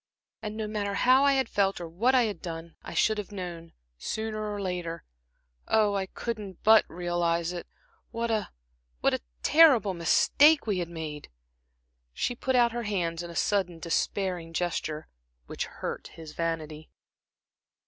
And no matter how I had felt, or what I had done, I should have known, sooner or later oh, I couldn't but realize it what a what a terrible mistake we had made." She put out her hands in a sudden, despairing gesture, which hurt his vanity.